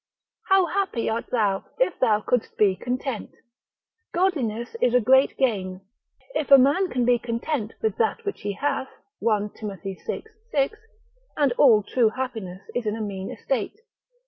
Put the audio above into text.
How happy art thou if thou couldst be content. Godliness is a great gain, if a man can be content with that which he hath, 1 Tim. vi. 6. And all true happiness is in a mean estate.